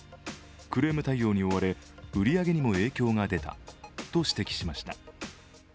クレーム対応に追われ売り上げにも影響が出たと指摘しました。